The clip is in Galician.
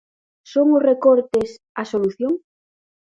Son os recortes a solución?